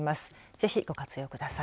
ぜひご活用ください。